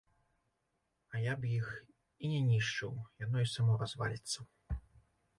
А я б іх і не нішчыў, яно і само разваліцца.